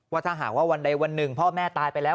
ว่าถ้าหากว่าวันใดวันหนึ่งพ่อแม่ตายไปแล้ว